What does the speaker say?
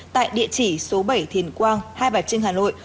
tại địa chỉ số bảy thiền quang hai bà trưng hà nội